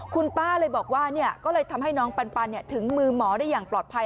คุณป้าเลยบอกว่าก็เลยทำให้น้องปันถึงมือหมอได้อย่างปลอดภัย